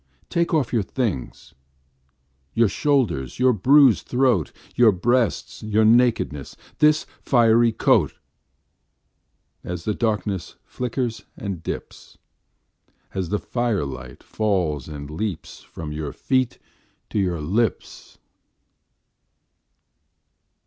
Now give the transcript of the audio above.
Take off your things. Your shoulders, your bruised throat! Your breasts, your nakedness! This fiery coat! As the darkness flickers and dips, As the firelight falls and leaps From your feet to your lips!